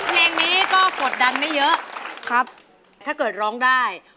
เพลงนี้ก็กดดันไม่เยอะครับถ้าเกิดร้องได้